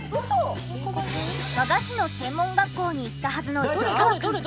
和菓子の専門学校に行ったはずの市川くん。